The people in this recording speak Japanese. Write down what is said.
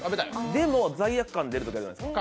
でも罪悪感出るときあるじゃないですか。